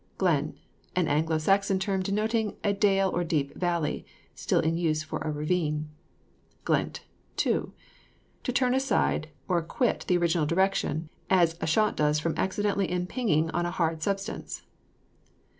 GLEN. An Anglo Saxon term denoting a dale or deep valley; still in use for a ravine. GLENT, TO. To turn aside or quit the original direction, as a shot does from accidentally impinging on a hard substance.